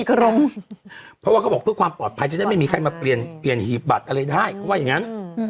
เพราะว่าเขาบอกเพื่อความปลอดภัยจะได้ไม่มีใครมาเปลี่ยนเปลี่ยนหีบบัตรอะไรได้เขาว่าอย่างนั้น